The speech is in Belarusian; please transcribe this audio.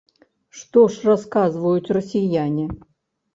Што ж расказваюць расіяне?